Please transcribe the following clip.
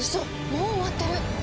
もう終わってる！